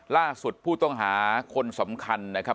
ล่าสุดผู้ต้องหาคนสำคัญนะครับ